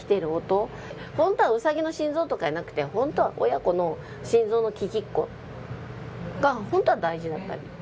本当はウサギの心臓とかやなくて本当は親子の心臓の聞きっこが本当は大事だったり。